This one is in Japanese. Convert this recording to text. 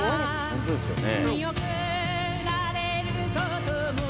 本当ですよね。